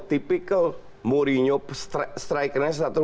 tipikal mourinho strikernya